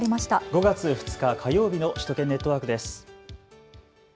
５月２日火曜日の首都圏ネットワークです。